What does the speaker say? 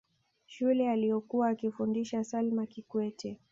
shule aliyokuwa akifundisha salma kikwete